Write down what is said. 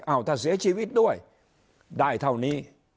ถ้าเสียชีวิตด้วยได้เท่านี้